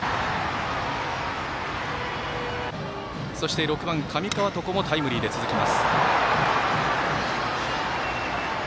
そして、６番、上川床もタイムリーで続きます。